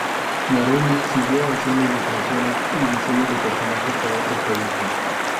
Narumi siguió haciendo ilustraciones y diseño de personajes para otros proyectos.